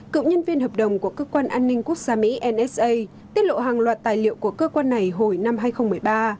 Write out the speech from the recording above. cựu nhân viên hợp đồng của cơ quan an ninh quốc gia mỹ msa tiết lộ hàng loạt tài liệu của cơ quan này hồi năm hai nghìn một mươi ba